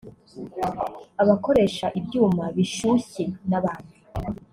abakoresha ibyuma bishushye n’abandi